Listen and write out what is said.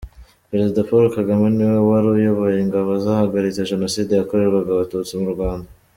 Perezida Paul Kagame niwe wari uyoboye Ingabo zahagaritse Jenoside yakorerwaga Abatutsi mu Rwanda